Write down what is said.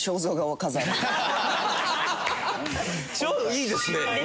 いいですね。